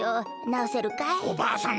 おばあさん